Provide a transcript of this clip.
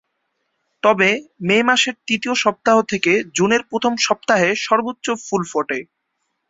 তবে মে মাসের তৃতীয় সপ্তাহ থেকে জুনের প্রথম সপ্তাহে সর্বোচ্চ ফুল ফোটে।